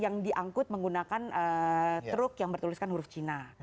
yang diangkut menggunakan truk yang bertuliskan huruf cina